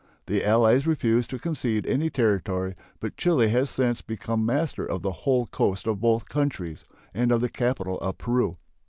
The allies refused to concede any territory, but Chile has since become master of the whole coast of both countries and of the capital of Peru.